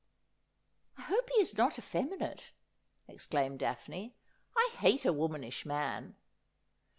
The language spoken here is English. ' I hope he is not effeminate,' exclaimed Daphne. ' I hate a womanish man.'